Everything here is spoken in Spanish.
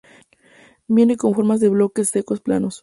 Vienen con forma de bloques secos planos.